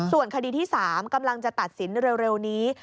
ส่วนคดีที่๓กำลังจะตัดสินเร็วนี้